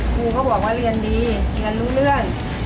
ครูก็บอกว่าเรียนดีเรียนรู้เรื่อง